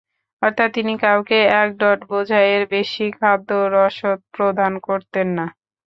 অর্থাৎ তিনি কাউকে এক উট বোঝাইর বেশি খাদ্য রসদ প্রদান করতেন না।